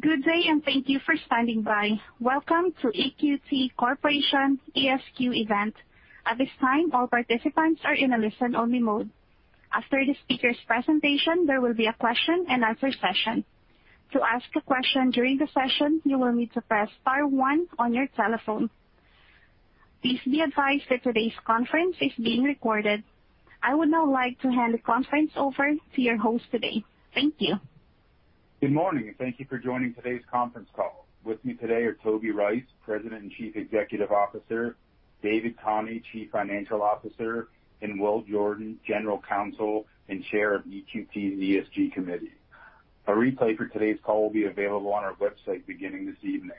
Good day, and thank you for standing by. Welcome to EQT Corporation EQT Event. At this time, all participants are in a listen-only mode. After the speaker's presentation, there will be a question and answer session. To ask a question during the session, you will need to press star one on your telephone. Please be advised that today's conference is being recorded. I would now like to hand the conference over to your host today. Thank you. Good morning, and thank you for joining today's conference call. With me today are Toby Rice, President and Chief Executive Officer, David Khani, Chief Financial Officer, and Will Jordan, General Counsel and Chair of EQT and ESG Committee. A replay for today's call will be available on our website beginning this evening.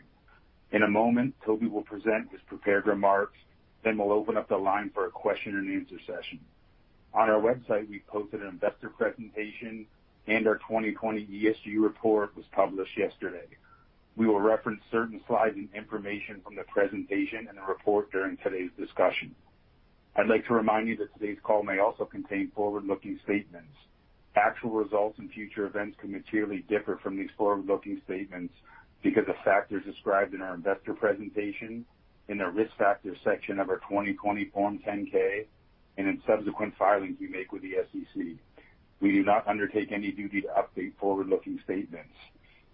In a moment, Toby will present his prepared remarks, then we'll open up the line for a question and answer session. On our website, we posted an investor presentation, and our 2020 ESG report was published yesterday. We will reference certain slides, and information from the presentation, and the report during today's discussion. I'd like to remind you that today's call may also contain forward-looking statements. Actual results, and future events can materially differ from these forward-looking statements because of factors described in our investor presentation, in our risk factor section of our 2020 Form 10-K, and in subsequent filings we make with the SEC. We do not undertake any duty to update forward-looking statements.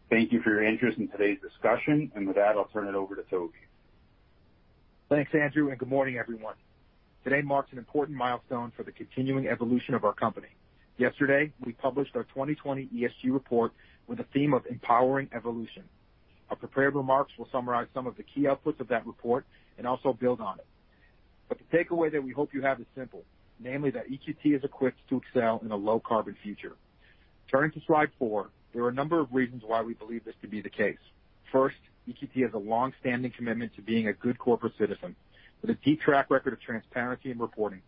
Thank you for your interest in today's discussion. With that, I'll turn it over to Toby. Thanks, Andrew. Good morning, everyone. Today marks an important milestone for the continuing evolution of our company. Yesterday, we published our 2020 ESG report with the theme of empowering evolution. Our prepared remarks will summarize some of the key outputs of that report, and also build on it. The takeaway that we hope you have is simple, namely, that EQT is equipped to excel in a low carbon future. Turning to slide four, there are a number of reasons why we believe this to be the case. First, EQT has a long-standing commitment to being a good corporate citizen with a deep track record of transparency, and reporting.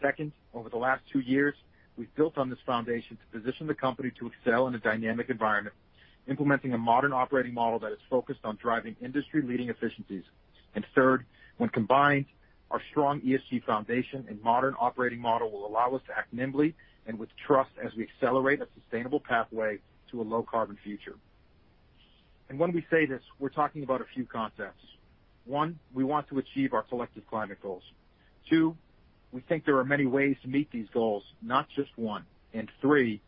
Second, over the last two years, we've built on this foundation to position the company to excel in a dynamic environment, implementing a modern operating model that is focused on driving industry-leading efficiencies. Third, when combined, our strong ESG foundation, and modern operating model will allow us to act nimbly, and with trust as we accelerate a sustainable pathway to a low carbon future. When we say this, we're talking about a few concepts. One, we want to achieve our collective climate goals. Two, we think there are many ways to meet these goals, not just one, and three,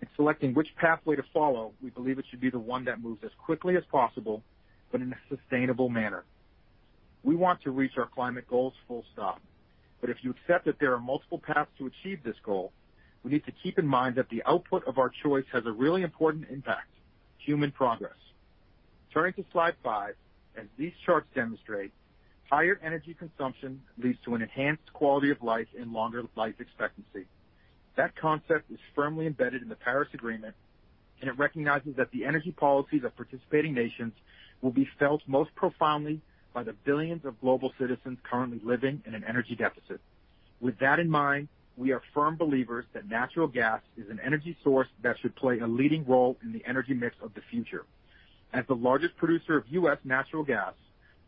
in selecting which pathway to follow, we believe it should be the one that moves as quickly as possible, but in a sustainable manner. We want to reach our climate goals full stop. If you accept that there are multiple paths to achieve this goal, we need to keep in mind that the output of our choice has a really important impact, human progress. Turning to slide five, as these charts demonstrate, higher energy consumption leads to enhanced quality of life, and longer life expectancy. That concept is firmly embedded in the Paris Agreement. It recognizes that the energy policies of participating nations will be felt most profoundly by the billions of global citizens currently living in an energy deficit. With that in mind, we are firm believers that natural gas is an energy source that should play a leading role in the energy mix of the future. As the largest producer of U.S. natural gas,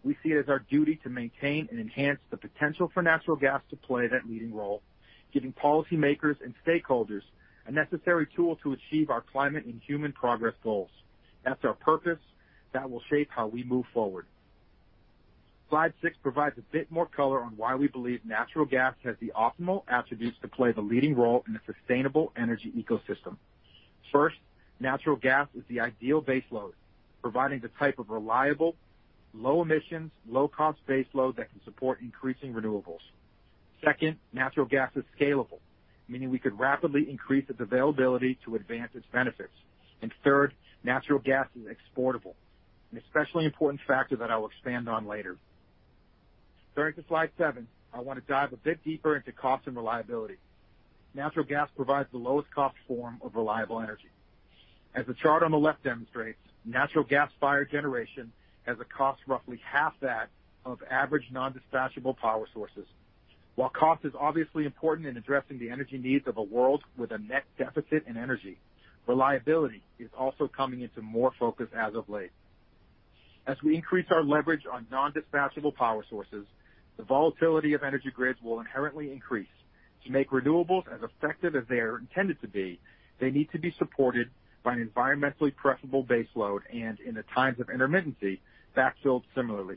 we see it as our duty to maintain, and enhance the potential for natural gas to play that leading role, giving policymakers and stakeholders a necessary tool to achieve our climate and human progress goals. That's our purpose that will shape how we move forward. Slide six provides a bit more color on why we believe natural gas has the optimal attributes to play the leading role in a sustainable energy ecosystem. First, natural gas is the ideal baseload, providing the type of reliable, low emissions, low cost baseload that can support increasing renewables. Second, natural gas is scalable, meaning we could rapidly increase its availability to advance its benefits, and third, natural gas is exportable, an especially important factor that I will expand on later. Turning to slide seven, I want to dive a bit deeper into cost, and reliability. Natural gas provides the lowest cost form of reliable energy. As the chart on the left demonstrates, natural gas-fired generation has a cost roughly half that of average non-dispatchable power sources. While cost is obviously important in addressing the energy needs of a world with a net deficit in energy, reliability is also coming into more focus as of late. As we increase our leverage on non-dispatchable power sources, the volatility of energy grids will inherently increase. To make renewables as effective as they are intended to be, they need to be supported by an environmentally preferable baseload, and in the times of intermittency, backfilled similarly.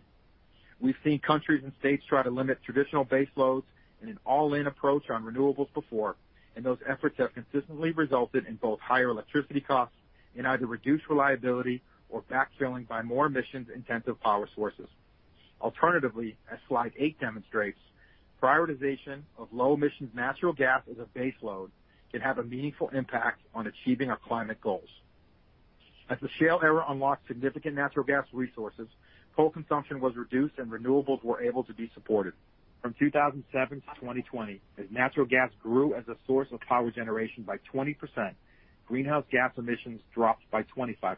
We've seen countries and states try to limit traditional baseloads in an all-in approach on renewables before, and those efforts have consistently resulted in both higher electricity costs, and either reduced reliability, or backfilling by more emissions-intensive power sources. Alternatively, as slide eight demonstrates, prioritization of low emissions natural gas as a baseload can have a meaningful impact on achieving our climate goals. As the shale era unlocked significant natural gas resources, coal consumption was reduced, and renewables were able to be supported. From 2007-2020, as natural gas grew as a source of power generation by 20%, greenhouse gas emissions dropped by 25%,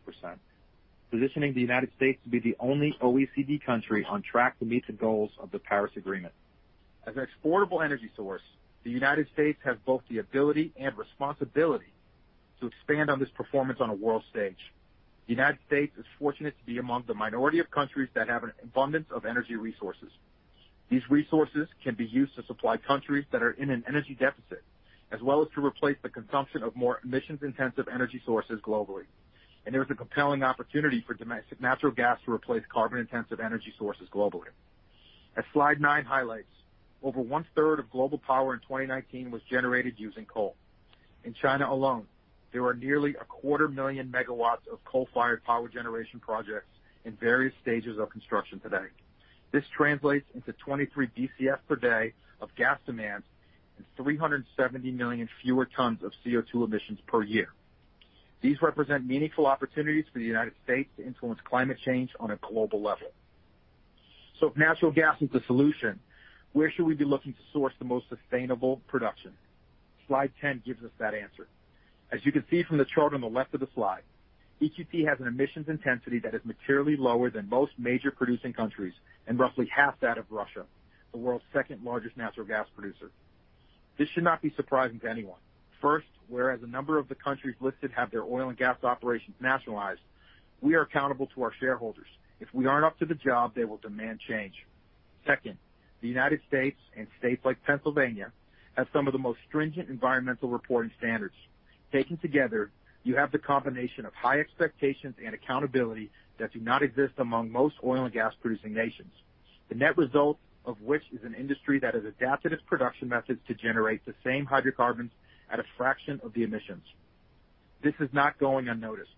positioning the United States to be the only OECD country on track to meet the goals of the Paris Agreement. As an exportable energy source, the United States has both the ability, and responsibility to expand on this performance on a world stage. The United States is fortunate to be among the minority of countries that have an abundance of energy resources. These resources can be used to supply countries that are in an energy deficit, as well as to replace the consumption of more emissions-intensive energy sources globally. There's a compelling opportunity for domestic natural gas to replace carbon-intensive energy sources globally. As slide nine highlights, over one-third of global power in 2019 was generated using coal. In China alone, there are nearly 250,000 MW of coal-fired power generation projects in various stages of construction today. This translates into 23 Bcf/d of gas demand, and 370 million fewer tons of CO2 emissions per year. These represent meaningful opportunities for the United States to influence climate change on a global level. If natural gas is the solution, where should we be looking to source the most sustainable production? Slide 10 gives us that answer. As you can see from the chart on the left of the slide, EQT has an emissions intensity that is materially lower than most major producing countries, and roughly half that of Russia, the world's second-largest natural gas producer. This should not be surprising to anyone. First, whereas a number of the countries listed have their oil and gas operations nationalized, we are accountable to our shareholders. If we aren't up to the job, they will demand change. Second, the United States, and states like Pennsylvania have some of the most stringent environmental reporting standards. Taken together, you have the combination of high expectations, and accountability that do not exist among most oil and gas producing nations. The net result of which is an industry that has adapted its production methods to generate the same hydrocarbons at a fraction of the emissions. This is not going unnoticed.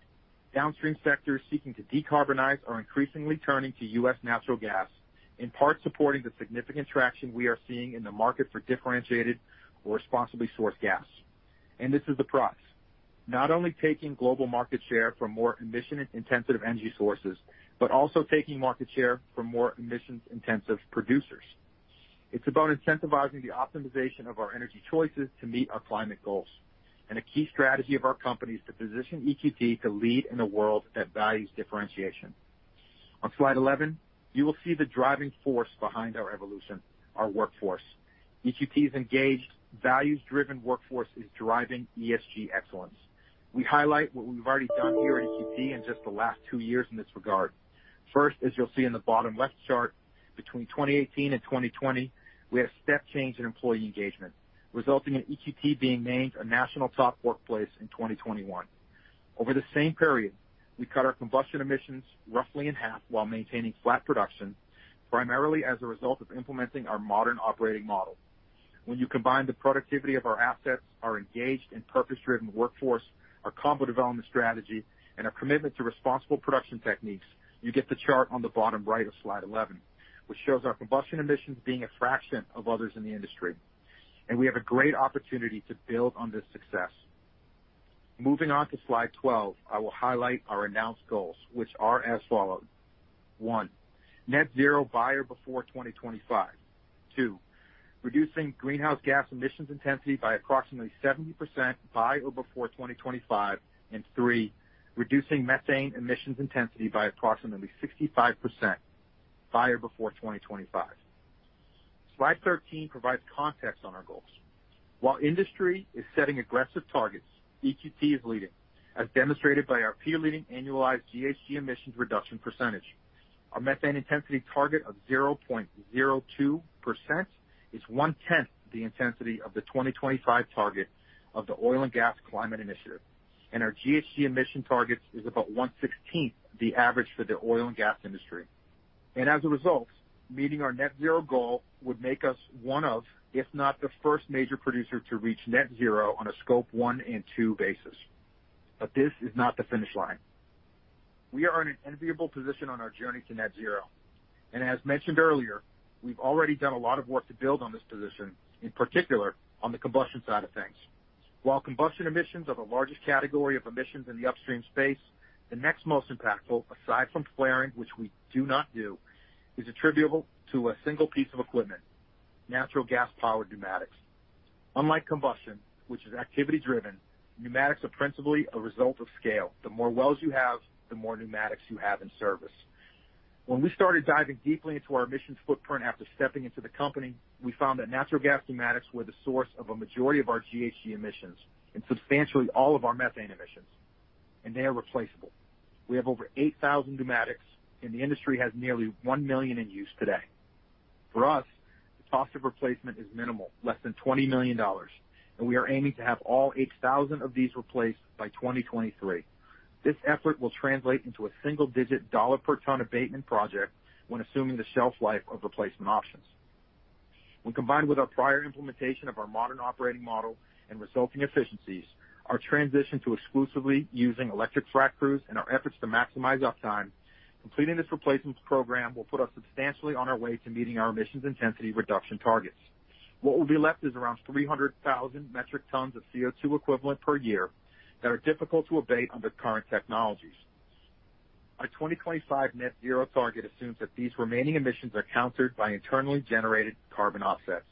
Downstream sectors seeking to decarbonize are increasingly turning to U.S. natural gas, in part supporting the significant traction we are seeing in the market for differentiated, or responsibly sourced gas, and this is the price not only taking global market share from more emission-intensive energy sources, but also taking market share from more emissions-intensive producers. It's about incentivizing the optimization of our energy choices to meet our climate goals. A key strategy of our company is to position EQT to lead in a world that values differentiation. On slide 11, you will see the driving force behind our evolution, our workforce. EQT's engaged, values-driven workforce is driving ESG excellence. We highlight what we've already done here at EQT in just the last two years in this regard. First, as you'll see in the bottom left chart, between 2018 and 2020, we have step change in employee engagement, resulting in EQT being named a national top workplace in 2021. Over the same period, we cut our combustion emissions roughly in half while maintaining flat production, primarily as a result of implementing our modern operating model. When you combine the productivity of our assets, our engaged, and purpose-driven workforce, our combo development strategy, and our commitment to responsible production techniques, you get the chart on the bottom right of slide 11, which shows our combustion emissions being a fraction of others in the industry. We have a great opportunity to build on this success. Moving on to slide 12, I will highlight our announced goals, which are as follows. One, net zero by or before 2025. Two, reducing greenhouse gas emissions intensity by approximately 70% by, or before 2025, and three, reducing methane emissions intensity by approximately 65%, by or before 2025. Slide 13 provides context on our goals. While industry is setting aggressive targets, EQT is leading, as demonstrated by our peer-leading annualized GHG emissions reduction percentage. Our methane intensity target of 0.02% is one-tenth the intensity of the 2025 target of the Oil and Gas Climate Initiative, and our GHG emission targets is about one-sixteenth the average for the oil and gas industry. As a result, meeting our net zero goal would make us one of, if not the first major producer to reach net zero on a Scope 1 and 2 basis. This is not the finish line. We are in an enviable position on our journey to net zero, and as mentioned earlier, we've already done a lot of work to build on this position, in particular on the combustion side of things. While combustion emissions are the largest category of emissions in the upstream space, the next most impactful, aside from flaring, which we do not do, is attributable to a single piece of equipment, natural gas powered pneumatics. Unlike combustion, which is activity driven, pneumatics are principally a result of scale. The more wells you have, the more pneumatics you have in service. When we started diving deeply into our emissions footprint after stepping into the company, we found that natural gas pneumatics were the source of a majority of our GHG emissions, and substantially all of our methane emissions. They are replaceable. We have over 8,000 pneumatics, and the industry has nearly one million in use today. For us, the cost of replacement is minimal, less than $20 million, and we are aiming to have all 8,000 of these replaced by 2023. This effort will translate into a single-digit dollar per ton abatement project when assuming the shelf life of replacement options. When combined with our prior implementation of our modern operating model, and resulting efficiencies, our transition to exclusively using electric frac crews, and our efforts to maximize uptime, completing this replacements program will put us substantially on our way to meeting our emissions intensity reduction targets. What will be left is around 300,000 metric tons of CO2 equivalent per year that are difficult to abate under current technologies. Our 2025 net zero target assumes that these remaining emissions are countered by internally generated carbon offsets.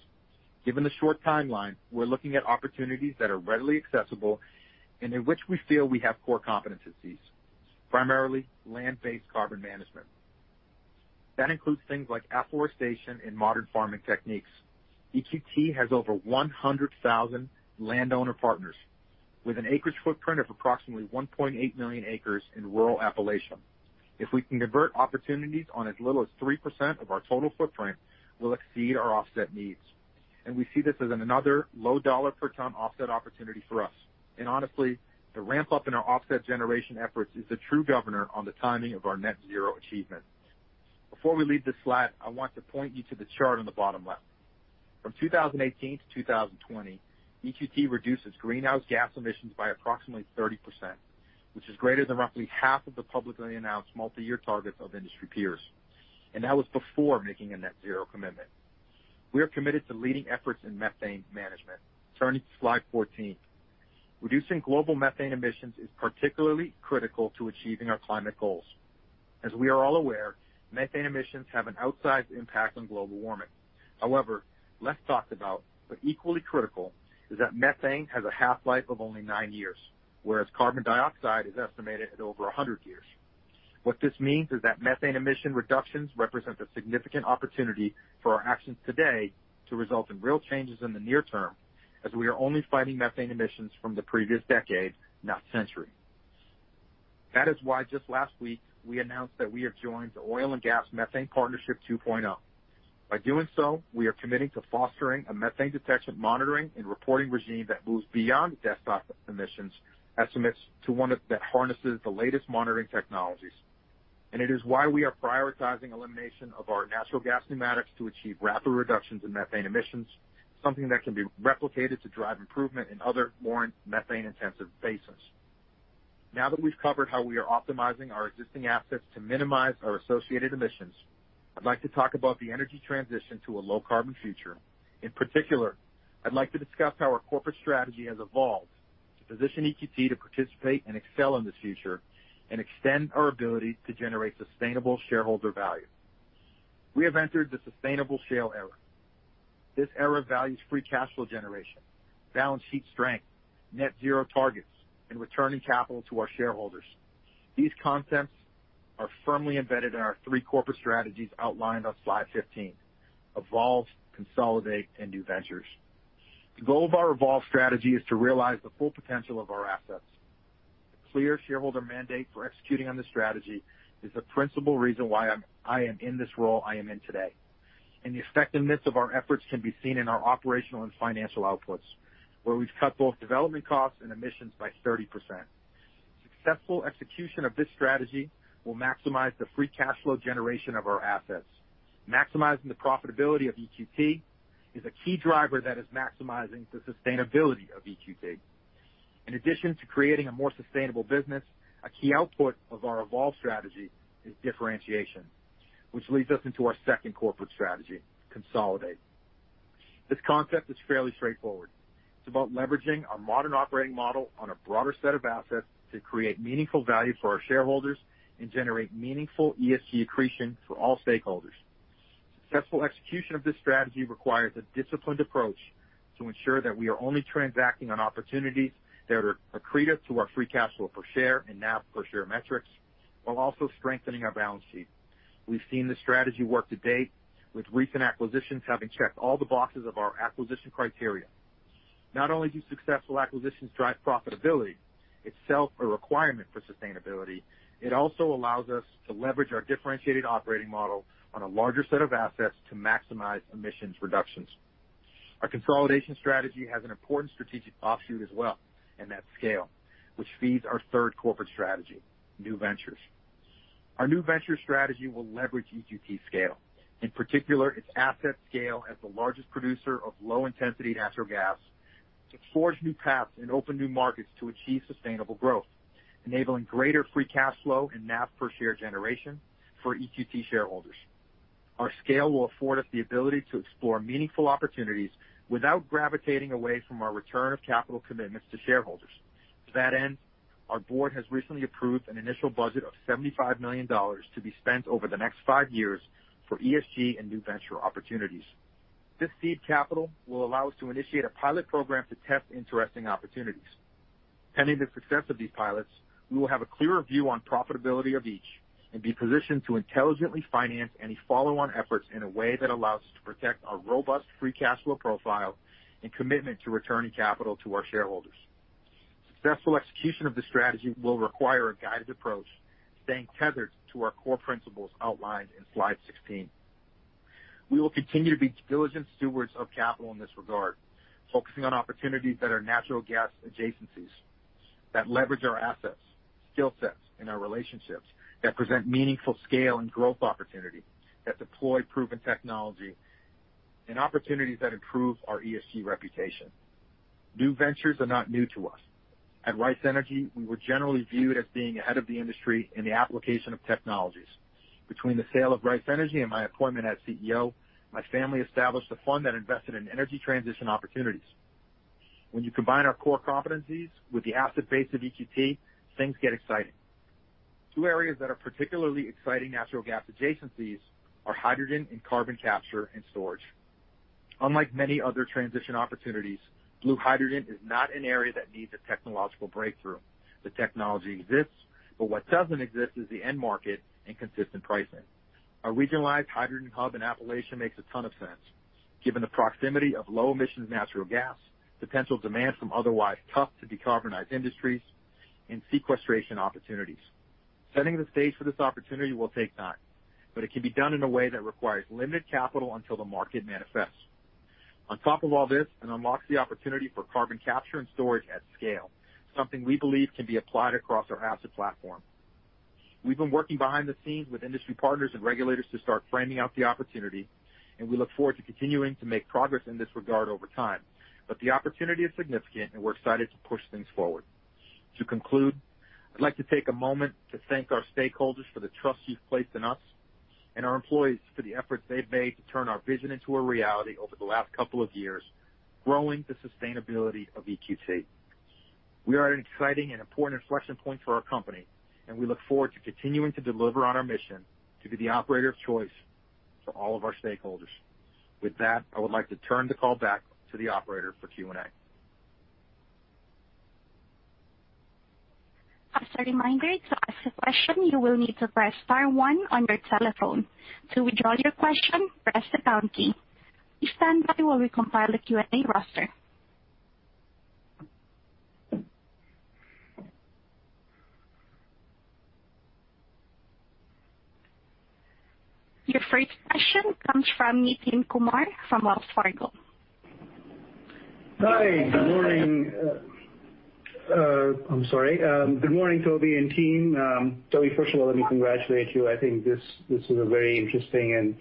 Given the short timeline, we're looking at opportunities that are readily accessible, and in which we feel we have core competencies, primarily land-based carbon management. That includes things like afforestation, and modern farming techniques. EQT has over 100,000 landowner partners. With an acreage footprint of approximately 1.8 million acres in rural Appalachia. If we can convert opportunities on as little as 3% of our total footprint, we'll exceed our offset needs, and we see this as another low dollar per ton offset opportunity for us. Honestly, the ramp-up in our offset generation efforts is the true governor on the timing of our net zero achievement. Before we leave this slide, I want to point you to the chart on the bottom left. From 2018-2020, EQT reduces greenhouse gas emissions by approximately 30%, which is greater than roughly half of the publicly announced multi-year targets of industry peers. That was before making a net zero commitment. We are committed to leading efforts in methane management. Turning to slide 14. Reducing global methane emissions is particularly critical to achieving our climate goals. As we are all aware, methane emissions have an outsized impact on global warming. However, less talked about, but equally critical, is that methane has a half-life of only nine years, whereas carbon dioxide is estimated at over 100 years. What this means is that methane emission reductions represent a significant opportunity for our actions today to result in real changes in the near term, as we are only fighting methane emissions from the previous decade, not century. That is why just last week, we announced that we have joined the Oil and Gas Methane Partnership 2.0. By doing so, we are committing to fostering a methane detection, monitoring, and reporting regime that moves beyond desktop emissions estimates to one that harnesses the latest monitoring technologies. It is why we are prioritizing elimination of our natural gas pneumatics to achieve rapid reductions in methane emissions, something that can be replicated to drive improvement in other more methane-intensive basins. Now that we've covered how we are optimizing our existing assets to minimize our associated emissions, I'd like to talk about the energy transition to a low-carbon future. In particular, I'd like to discuss how our corporate strategy has evolved to position EQT to participate, and excel in this future, and extend our ability to generate sustainable shareholder value. We have entered the sustainable shale era. This era values free cash flow generation, balance sheet strength, net-zero targets, and returning capital to our shareholders. These concepts are firmly embedded in our three corporate strategies outlined on slide 15. Evolve, Consolidate, and New Ventures. The goal of our Evolve strategy is to realize the full potential of our assets. A clear shareholder mandate for executing on this strategy is the principal reason why I am, I am in this role I am in today, and the effectiveness of our efforts can be seen in our operational, and financial outputs, where we've cut both development costs, and emissions by 30%. Successful execution of this strategy will maximize the free cash flow generation of our assets. Maximizing the profitability of EQT is a key driver that is maximizing the sustainability of EQT. In addition to creating a more sustainable business, a key output of our Evolve strategy is differentiation, which leads us into our second corporate strategy, Consolidate. This concept is fairly straightforward. It's about leveraging our modern operating model on a broader set of assets to create meaningful value for our shareholders, and generate meaningful ESG accretion for all stakeholders. Successful execution of this strategy requires a disciplined approach to ensure that we are only transacting on opportunities that accrete to our free cash flow per share, and NAV per share metrics while also strengthening our balance sheet. We've seen this strategy work to date with recent acquisitions having checked all the boxes of our acquisition criteria. Not only do successful acquisitions drive profitability, itself a requirement for sustainability, it also allows us to leverage our differentiated operating model on a larger set of assets to maximize emissions reductions. Our consolidation strategy has an important strategic offshoot as well, and that's scale, which feeds our third corporate strategy, New Ventures. Our New Venture strategy will leverage EQT scale. In particular, its asset scale as the largest producer of low intensity natural gas to forge new paths, and open new markets to achieve sustainable growth, enabling greater free cash flow, and NAV per share generation for EQT shareholders. Our scale will afford us the ability to explore meaningful opportunities without gravitating away from our return of capital commitments to shareholders. To that end, our Board has recently approved an initial budget of $75 million to be spent over the next five years for ESG, and new venture opportunities. This seed capital will allow us to initiate a pilot program to test interesting opportunities. Pending the success of these pilots, we will have a clearer view on profitability of each, and be positioned to intelligently finance any follow-on efforts in a way that allows us to protect our robust free cash flow profile, and commitment to returning capital to our shareholders. Successful execution of this strategy will require a guided approach, staying tethered to our core principles outlined in slide 16. We will continue to be diligent stewards of capital in this regard, focusing on opportunities that are natural gas adjacencies, that leverage our assets, skill sets, and our relationships, that present meaningful scale, and growth opportunity, that deploy proven technology, and opportunities that improve our ESG reputation. New ventures are not new to us. At Rice Energy, we were generally viewed as being ahead of the industry in the application of technologies. Between the sale of Rice Energy, and my appointment as CEO, my family established a fund that invested in energy transition opportunities. When you combine our core competencies with the asset base of EQT, things get exciting. Two areas that are particularly exciting natural gas adjacencies are hydrogen, and carbon capture, and storage. Unlike many other transition opportunities, blue hydrogen is not an area that needs a technological breakthrough. The technology exists, but what doesn't exist is the end market, and consistent pricing. A regionalized hydrogen hub in Appalachia makes a ton of sense given the proximity of low emissions natural gas, the potential demand from otherwise tough to decarbonize industries, and sequestration opportunities. Setting the stage for this opportunity will take time, but it can be done in a way that requires limited capital until the market manifests. On top of all this, it unlocks the opportunity for carbon capture, and storage at scale, something we believe can be applied across our asset platform. We've been working behind the scenes with industry partners, and regulators to start framing out the opportunity, and we look forward to continuing to make progress in this regard over time. The opportunity is significant, and we're excited to push things forward. To conclude, I'd like to take a moment to thank our stakeholders for the trust you've placed in us, and our employees for the efforts they've made to turn our vision into a reality over the last couple of years, growing the sustainability of EQT. We are at an exciting, and important inflection point for our company, and we look forward to continuing to deliver on our mission to be the operator of choice for all of our stakeholders. With that, I would like to turn the call back to the operator for Q&A. As a reminder, to ask a question, you will need to press star one on your telephone. To withdraw your question, press the pound key. Please stand by while we compile the Q&A roster. Your first question comes from Nitin Kumar from Wells Fargo. Hi. Good morning. I'm sorry. Good morning, Toby and team. Toby, first of all, let me congratulate you. I think this was a very interesting,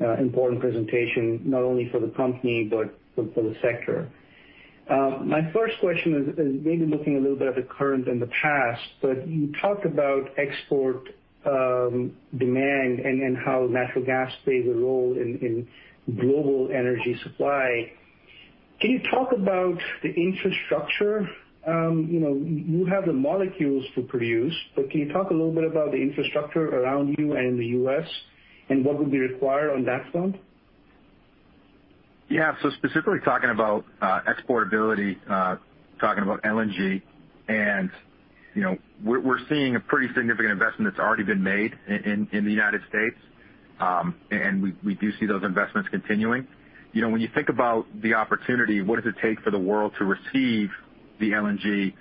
and important presentation, not only for the company but for the sector. My first question is maybe looking a little bit at the current, and the past, but you talked about export demand, and how natural gas plays a role in global energy supply. Can you talk about the infrastructure? You have the molecules to produce, but can you talk a little bit about the infrastructure around you, and the U.S., and what would be required on that front? Yeah. Specifically talking about exportability, talking about LNG, and we're seeing a pretty significant investment that's already been made in the United States, and we do see those investments continuing. When you think about the opportunity, what does it take for the world to receive the LNG?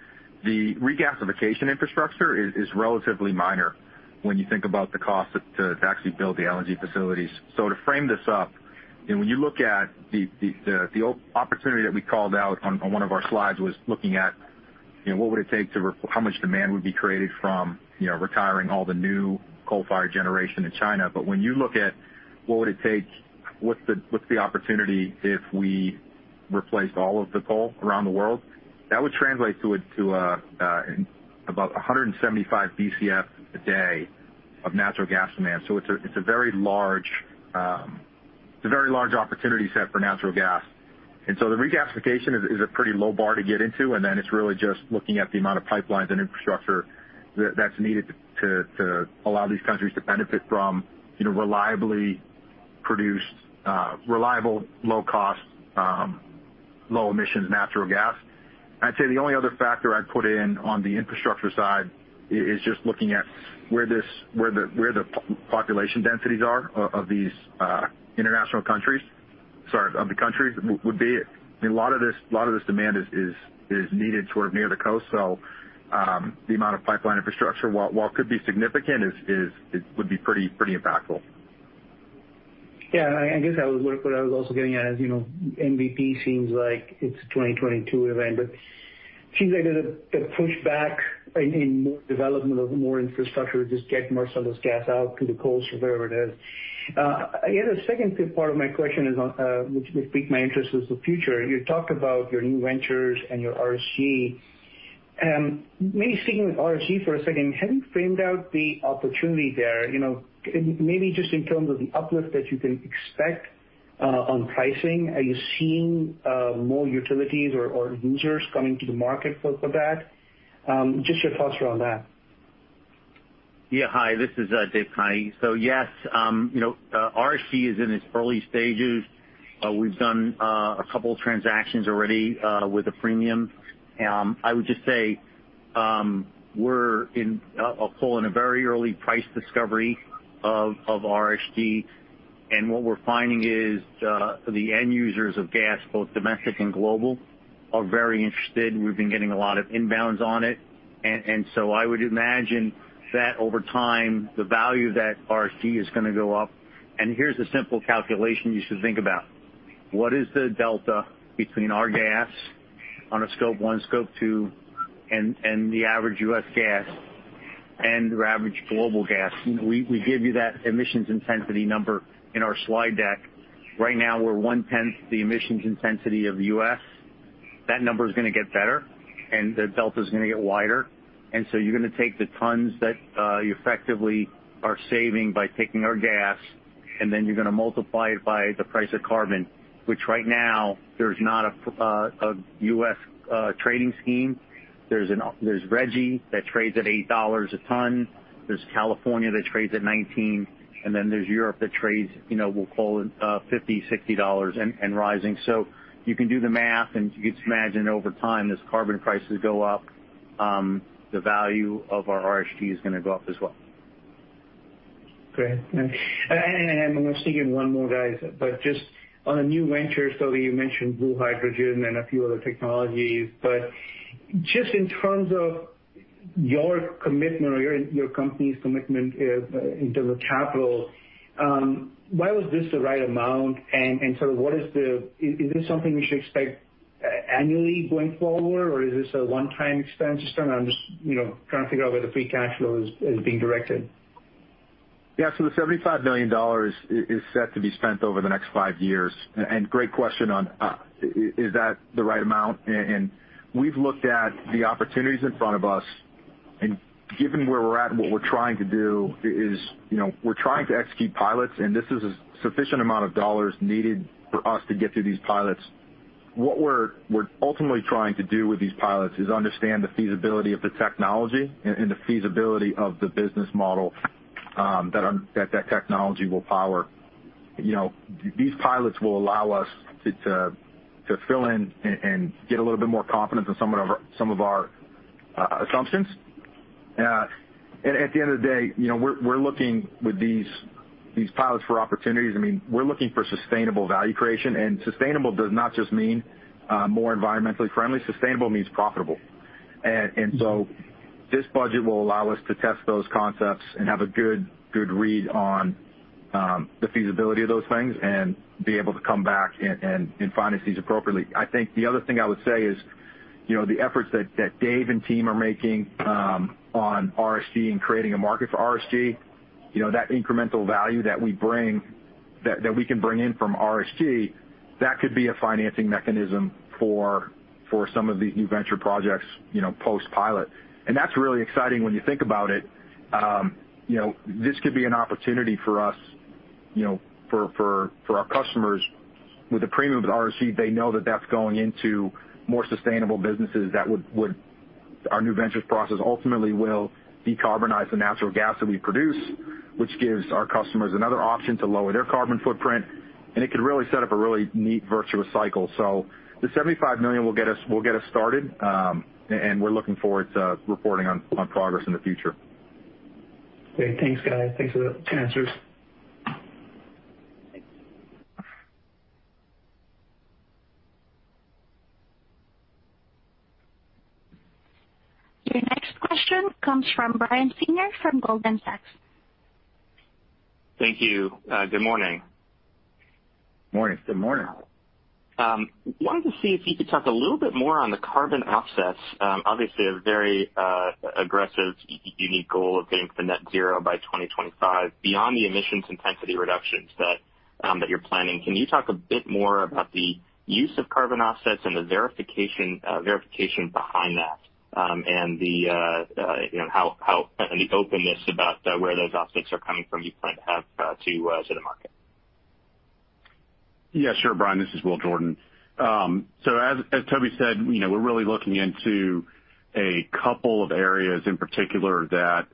The regasification infrastructure is relatively minor when you think about the cost to actually build the LNG facilities. To frame this up, when you look at the opportunity that we called out on one of our slides was looking at, you know, what would it take to, how much demand would be created from retiring all the new coal-fired generation in China, but when you look at what would it take, what's the opportunity if we replace all of the coal around the world, that would translate to about 175 Bcf/d of natural gas demand. It's a very large opportunity set for natural gas. The regasification is a pretty low bar to get into, and then it's really just looking at the amount of pipelines, and infrastructure that's needed to allow these countries to benefit from reliably produced, reliable, low cost, low emission natural gas. I'd say the only other factor I'd put in on the infrastructure side is just looking at where the population densities are of these international countries, sorry, of the countries would be. A lot of this demand is needed near the coast. The amount of pipeline infrastructure, while could be significant, it would be pretty impactful. Yeah. I guess that was what I was also getting as you know MVP seems like it's a 2022 event, but seems like the pushback in more development of more infrastructure to get more of this gas out through the coast or wherever it is. I guess the second part of my question is on, which pique my interest is the future. You talked about your new ventures, and your RSG. Maybe sticking with RSG for a second, have you framed out the opportunity there? You know, maybe just in terms of the uplift that you can expect on pricing. Are you seeing more utilities, or users coming to the market for that? Just your thoughts around that. Yeah, hi, this is Dave Khani. Yes, you know, RSG is in its early stages. We've done a couple of transactions already with a premium. I would just say we're in a very early price discovery of RSG, and what we're finding is the end users of gas, both domestic and global, are very interested, and we've been getting a lot of inbounds on it. I would imagine that over time, the value of that RSG is going to go up. Here's a simple calculation you should think about. What is the delta between our gas on a Scope 1, Scope 2, and the average U.S. gas, and your average global gas? We give you that emissions intensity number in our slide deck. Right now, we're one-tenth the emissions intensity of the U.S. That number is going to get better, and the delta is going to get wider. You're going to take the tons that you effectively are saving by taking our gas, and then you're going to multiply it by the price of carbon, which right now there's not a U.S. trading scheme. There's RGGI that trades at $8 a ton. There's California that trades at $19, and then there's Europe that trades, we'll call it $50, $60, and rising. You can do the math, and you can imagine over time as carbon prices go up. The value of our RSG is going to go up as well. Great. Nice. I'm going to sneak in one more, guys. Just on the new venture, so you mentioned blue hydrogen, and a few other technologies, but just in terms of your commitment, or your company's commitment in terms of capital, why was this the right amount? What is the, is this something we should expect annually going forward, or is this a one-time expense? Just trying to understand, I'm just trying to figure out where the free cash flow is being directed. Yeah. The $75 million is set to be spent over the next five years. Great question on is that the right amount. We've looked at the opportunities in front of us, and given where we're at, what we're trying to do is we're trying to execute pilots, and this is a sufficient amount of dollars needed for us to get through these pilots. What we're ultimately trying to do with these pilots is understand the feasibility of the technology, and the feasibility of the business model that technology will power. These pilots will allow us to fill in, and get a little bit more confidence in some of our assumptions. At the end of the day, we're looking with these pilots for opportunities. We're looking for sustainable value creation. Sustainable does not just mean more environmentally friendly. Sustainable means profitable. This budget will allow us to test those concepts, and have a good, good read on the feasibility of those things, and be able to come back, and finance these appropriately. I think the other thing I would say is the efforts that Dave and team are making on RSG,and creating a market for RSG, that incremental value that we bring, that we can bring in from RSG, that could be a financing mechanism for some of the new venture projects post-pilot. That's really exciting when you think about it. This could be an opportunity for us, for our customers with the premium of RSG, they know that that's going into more sustainable businesses that would, our new ventures process ultimately will decarbonize the natural gas that we produce, which gives our customers another option to lower their carbon footprint. It could really set up a really neat virtuous cycle. The $75 million will get us started, and we're looking forward to reporting on progress in the future. Great. Thanks, guys. Thanks for the answers. Your next question comes from Brian Singer from Goldman Sachs. Thank you. Good morning. Morning. Good morning. Wanted to see if you could talk a little bit more on the carbon offsets? Obviously, a very aggressive EQT goal of getting to net zero by 2025. Beyond the emissions intensity reductions that you're planning, can you talk a bit more about the use of carbon offsets, and the verification behind that, and how any openness about where those offsets are coming from you plan to set a market? Yeah, sure, Brian. This is Will Jordan. As Toby said, we're really looking into a couple of areas in particular that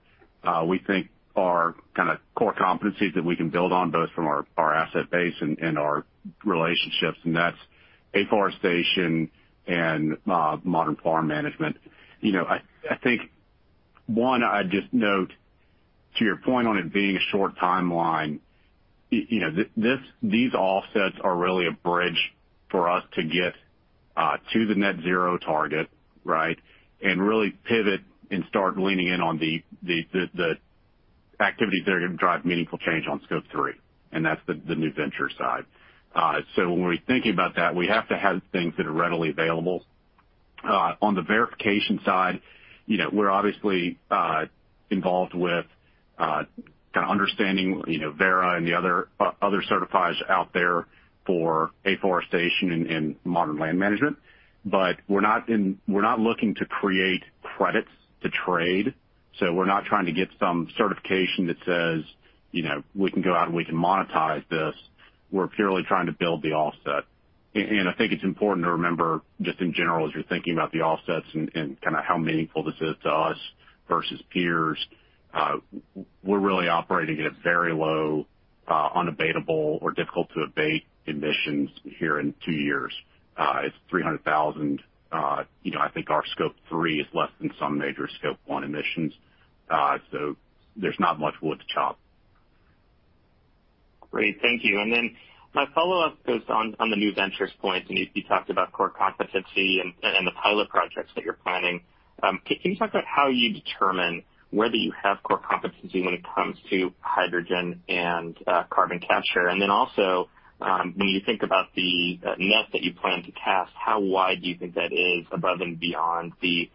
we think are core competencies that we can build on, both from our asset base, and our relationships, and that's afforestation, and modern farm management. You know, I think one, I'd just note to your point on it being a short timeline, these offsets are really a bridge for us to get to the net zero target, right? Really pivot, and start leaning in on the activities that are going to drive meaningful change on Scope 3, and that's the new venture side. When we think about that, we have to have things that are readily available. On the verification side, we're obviously involved with the understanding Verra, and the other certifiers out there for afforestation, and modern land management. We're not looking to create credits to trade. We're not trying to get some certification that says we can go out, and we can monetize this. We're purely trying to build the offset. I think it's important to remember, just in general, as you're thinking about the offsets, and kind of how meaningful this is to us versus peers, we're really operating at very low unabatable, or difficult to abate emissions here in two years. It's 300,000. I think our Scope 3 is less than some major Scope 1 emissions. There's not much wood to chop. Great. Thank you. My follow-up goes on the New Ventures point. I know you talked about core competency, and the pilot projects that you're planning. Can you talk about how you determine whether you have core competency when it comes to hydrogen, and carbon capture? Also when you think about the net that you plan to cast, how wide do you think that is above and beyond the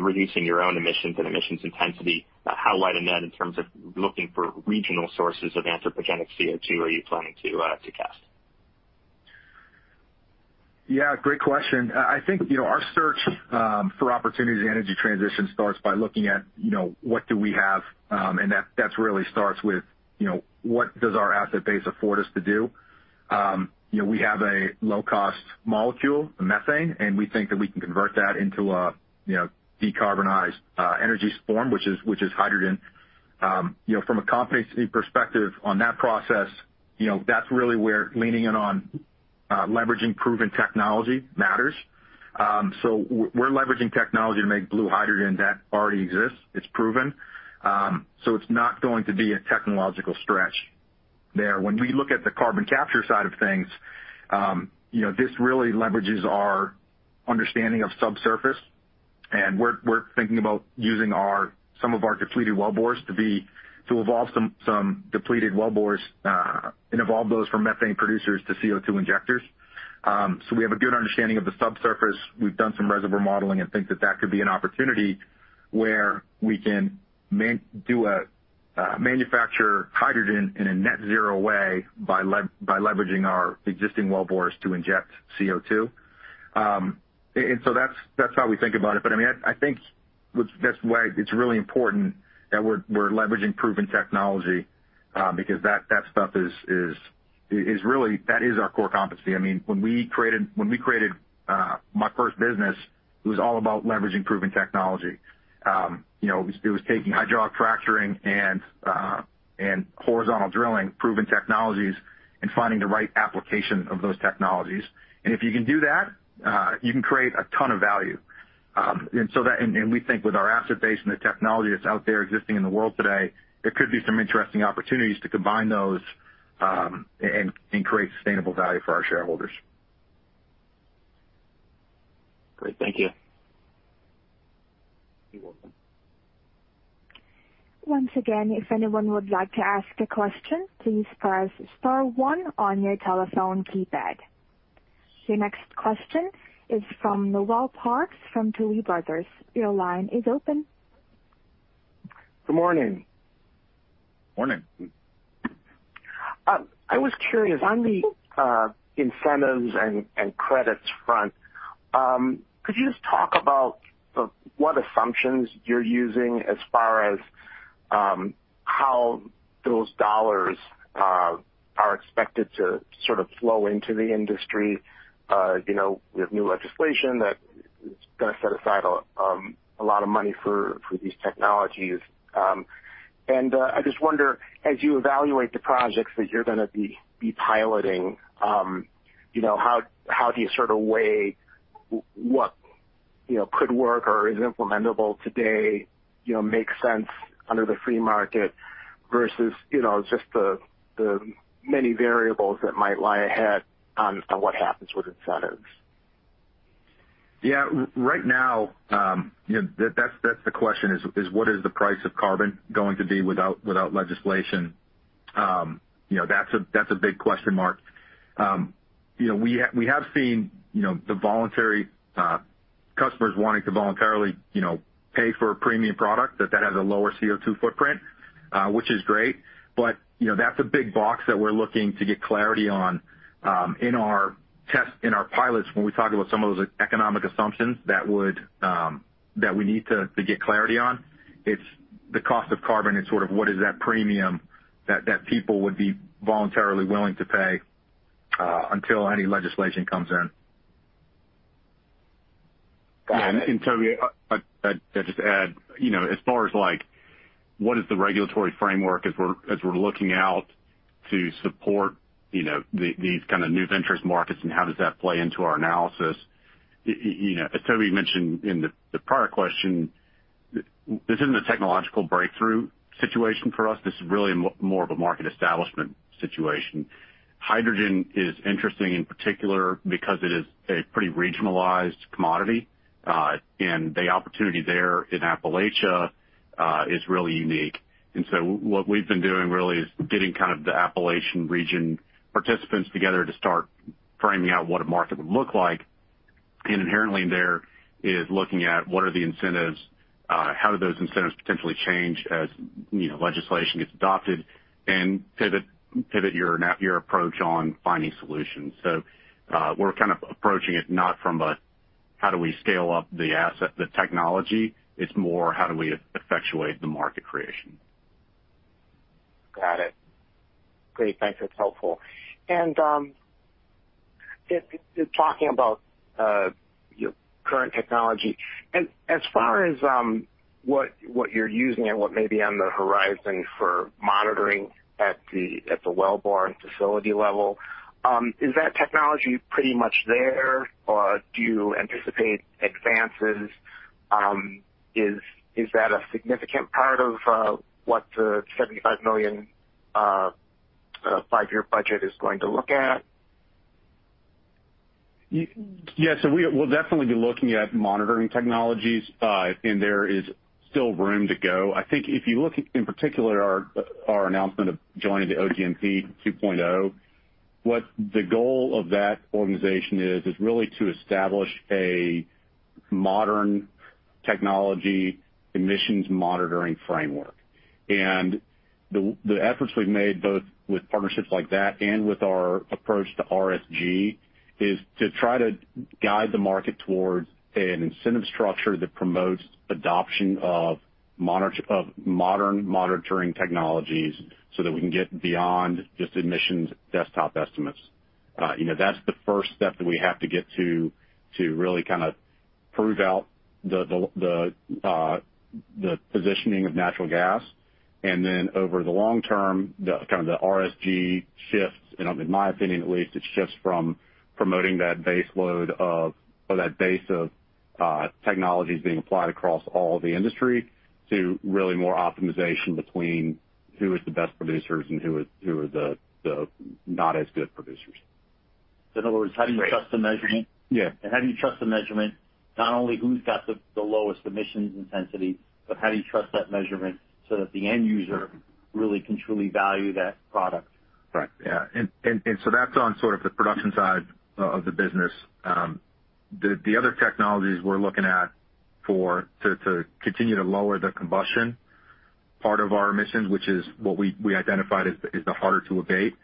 reducing your own emissions, and emissions intensity? How wide a net in terms of looking for regional sources of anthropogenic CO2 are you planning to cast? Yeah, great question. I think our search for opportunities in energy transition starts by looking at what do we have. That really starts with what does our asset base afford us to do. We have a low-cost molecule, methane, and we think that we can convert that into a decarbonized energy form, which is hydrogen. From a competency perspective on that process, that's really where leaning it on, leveraging proven technology matters. We're leveraging technology to make blue hydrogen that already exists. It's proven. It's not going to be a technological stretch there. When we look at the carbon capture side of things, this really leverages our understanding of subsurface, and we're thinking about using our, some of our depleted wellbores, and evolve those from methane producers to CO2 injectors. We have a good understanding of the subsurface. We've done some reservoir modeling, and think that that could be an opportunity where we can manufacture hydrogen in a net zero way by leveraging our existing wellbores to inject CO2. That's how we think about it. I think that's why it's really important that we're leveraging proven technology, because that stuff is really that is our core competency. I mean, when we created, when we created my first business, it was all about leveraging proven technology. It was taking hydraulic fracturing, and horizontal drilling, proven technologies, and finding the right application of those technologies. If you can do that, you can create a ton of value. We think with our asset base, and the technology that's out there existing in the world today, there could be some interesting opportunities to combine those, and create sustainable value for our shareholders. Great. Thank you. You're welcome. Once again, if anyone would like to ask a question, please press star one on your telephone keypad. The next question is from Noel Parks from Tuohy Brothers. Your line is open. Good morning. Morning. I was curious, on the incentives, and credits front could you just talk about what assumptions you're using as far as how those dollars are expected to sort of flow into the industry? With new legislation that is going to set aside a lot of money for these technologies. I just wonder, as you evaluate the projects that you're going to be piloting how do you sort of weigh what could work, or is implementable today, makes sense under the free market versus just the many variables that might lie ahead on what happens with incentives? Yeah. Right now that's the question is what is the price of carbon going to be without legislation? That's a big question mark. We have seen the voluntary, customers wanting to voluntarily pay for a premium product that has a lower CO2 footprint, which is great. That's a big box that we're looking to get clarity on in our test, in our pilots when we talk about some of those economic assumptions that we need to get clarity on. It's the cost of carbon, and sort of what is that premium that people would be voluntarily willing to pay until any legislation comes in. Toby, I'd just add, as far like, what is the regulatory framework as we're looking out to support these kind of new ventures markets, and how does that play into our analysis? As Toby mentioned in the prior question, this isn't a technological breakthrough situation for us. This is really more of a market establishment situation. Hydrogen is interesting in particular because it is a pretty regionalized commodity. The opportunity there in Appalachia is really unique. What we've been doing really is getting kind of the Appalachian region participants together to start framing out what a market would look like. Inherently there is looking at what are the incentives, how do those incentives potentially change as legislation gets adopted, and pivot your approach on finding solutions. We're kind of approaching it not from a how do we scale up the asset, the technology, it's more how do we effectuate the market creation. Got it. Great. Thanks. That's helpful. Just talking about your current technology. As far as what you're using, and what may be on the horizon for monitoring at the wellbore facility level, is that technology pretty much there, or do you anticipate advances? Is that a significant part of what the $75 million five-year budget is going to look at? Yeah. We'll definitely be looking at monitoring technologies. There is still room to go. I think if you look in particular our announcement of joining the OGMP 2.0, what the goal of that organization is really to establish a modern technology emissions monitoring framework. The efforts we've made, both with partnerships like that, and with our approach to RSG, is to try to guide the market towards an incentive structure that promotes adoption of modern monitoring technologies so that we can get beyond just emissions desktop estimates. That's the first step that we have to get to really kind of prove out the positioning of natural gas, and then over the long term, the RSG shifts, in my opinion at least, it shifts from promoting that base load of, or that base of technologies being applied across all the industry to really more optimization between who is the best producers, and who are the not as good producers. In other words, how do you trust the measurement? Yeah. How do you trust the measurement, not only who's got the lowest emissions intensity, but how do you trust that measurement so that the end user really can truly value that product? Right. Yeah. That's on the production side of the business. The other technologies we're looking at for, to continue to lower the combustion part of our emissions, which is what we identified as the harder to abate.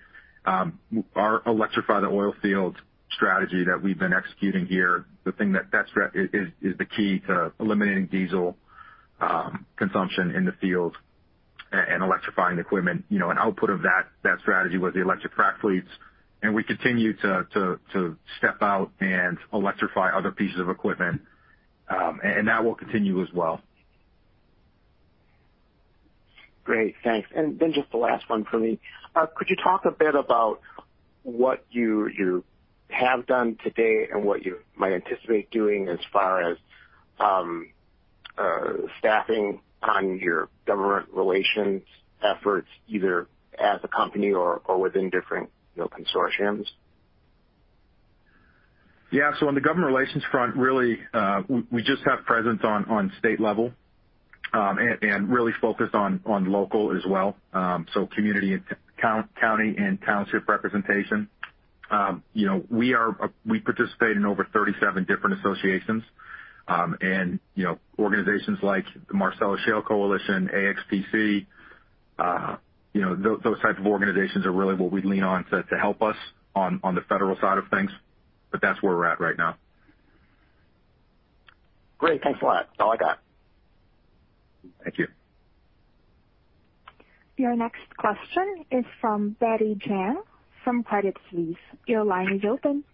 Our electrified oilfield strategy that we've been executing here, that's the key to eliminating diesel consumption in the field, and electrifying equipment. An output of that strategy was the electric frac fleets, and we continue to step out, and electrify other pieces of equipment. That will continue as well. Great. Thanks. Then just the last one from me. Could you talk a bit about what you have done to date, and what you might anticipate doing as far as staffing on your government relations efforts, either as a company, or within different consortiums? Yeah. On the government relations front, really, we just have presence on state level, and really focused on local as well. Community county, and township representation. We participate in over 37 different associations. Organizations like the Marcellus Shale Coalition, AXPC. Those types of organizations are really what we lean on to help us on the federal side of things. That's where we're at right now. Great. Thanks a lot. That's all I got. Thank you. Your next question is from Betty Jiang from Credit Suisse. Your line is open.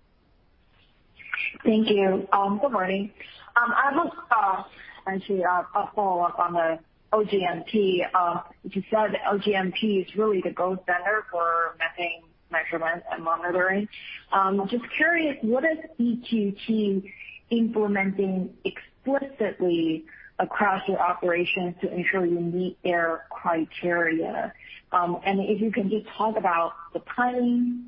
Thank you. Good morning. I have actually a follow-up on the OGMP. As you said, OGMP is really the gold standard for methane measurement, and monitoring. Just curious, what is EQT implementing explicitly across your operations to ensure you meet their criteria? If you can just talk about the timing,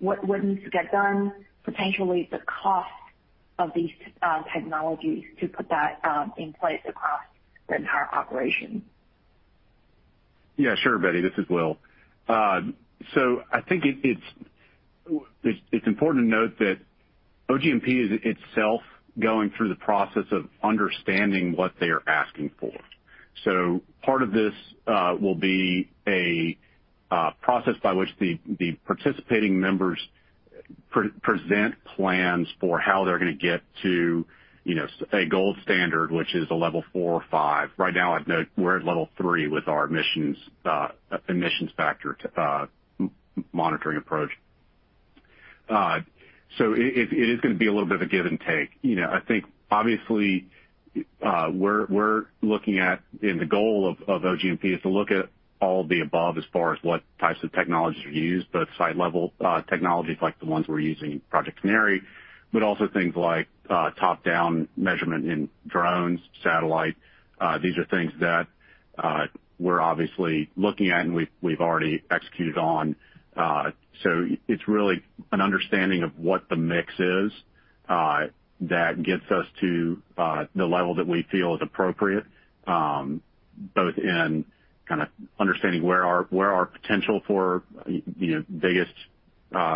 what needs to get done, potentially the cost of these technologies to put that in place across the entire operation. Yeah, sure, Betty, this is Will. I think it's important to note that OGMP is itself going through the process of understanding what they are asking for. Part of this will be a process by which the participating members present plans for how they're going to get to a gold standard, which is a Level 4 or 5. Right now, I think we're at Level 3 with our emissions factor monitoring approach. It is going to be a little bit of give and take. I think obviously, we're looking at in the goal of OGMP is to look at all the above as far as what types of technologies are used, both site level technologies like the ones we're using, Project Canary, but also things like top-down measurement in drones, satellites. These are things that we're obviously looking at, and we've already executed on. It's really an understanding of what the mix is that gets us to the level that we feel is appropriate, both in understanding where our potential for biggest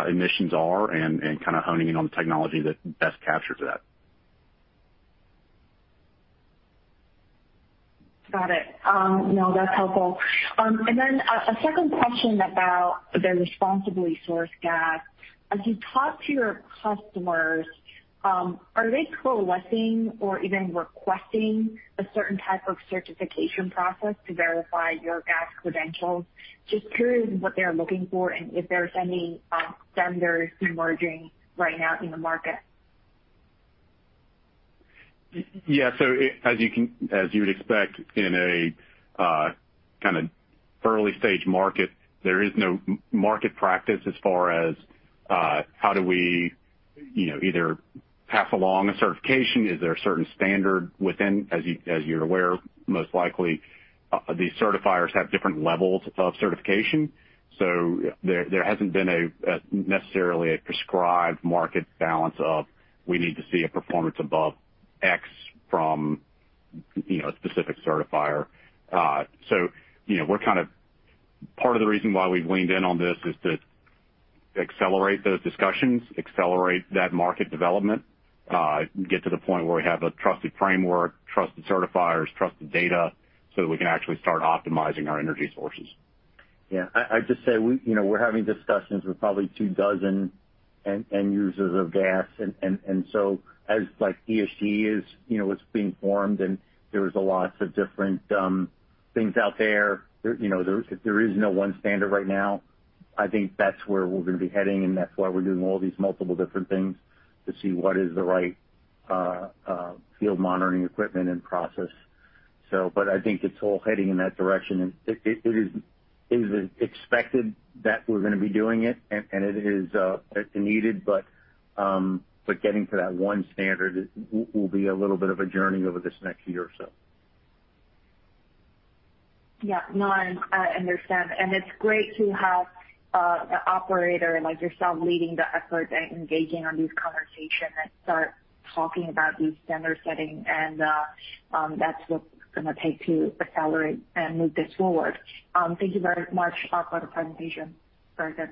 emissions are, and honing in on technology that best captures that. Got it. No, that's helpful. A second question about the Responsibly Sourced Gas. As you talk to your customers, are they collecting, or even requesting a certain type of certification process to verify your gas credentials? Just curious what they're looking for, and if there's any standards emerging right now in the market. Yeah. As you'd expect in an early-stage market, there is no market practice as far as how do we either pass along a certification? Is there a certain standard within? As you're aware, most likely, these certifiers have different levels of certification. There hasn't been necessarily a prescribed market balance of, we need to see a performance above X from a specific certifier. Part of the reason why we've leaned in on this is to accelerate those discussions, accelerate that market development, get to the point where we have a trusted framework, trusted certifiers, trusted data, so we can actually start optimizing our energy sources. Yeah. I'd just say, we're having discussions with probably two dozen end users of gas. As ESG is being formed, and there's lots of different things out there. There is no one standard right now. I think that's where we're going to be heading, and that's why we're doing all these multiple different things to see what is the right field monitoring equipment, and process. I think it's all heading in that direction. It is expected that we're going to be doing it, and it is needed. Getting to that one standard will be a little bit of a journey over this next year or so. Yeah. No, I understand. It's great to have the operator like yourself leading the effort, and engaging on these conversations, and start talking about these standard setting, and that's what it's going to take to accelerate, and move this forward. Thank you very much for the presentation. Very good.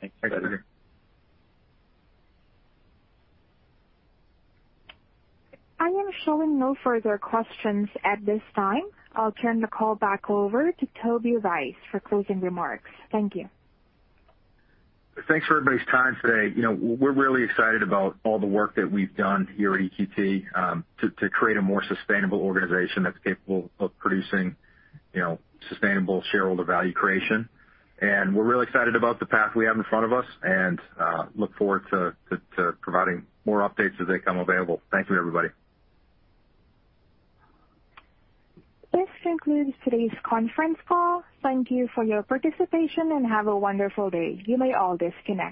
Thanks, Betty. I am showing no further questions at this time. I'll turn the call back over to Toby Rice for closing remarks. Thank you. Thanks for everybody's time today. We're really excited about all the work that we've done here at EQT to create a more sustainable organization that's capable of producing sustainable shareholder value creation. We're really excited about the path we have in front of us, and look forward to providing more updates as they come available. Thank you, everybody. This concludes today's conference call. Thank you for your participation, and have a wonderful day. You may all disconnect.